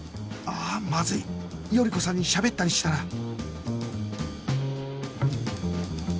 あまずい頼子さんにしゃべったりしたら